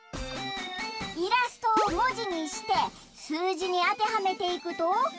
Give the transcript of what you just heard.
イラストをもじにしてすうじにあてはめていくと。